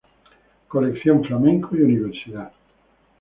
Colección Flamenco y Universidad.